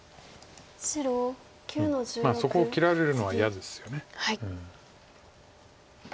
そこを切られるのは嫌ですよね。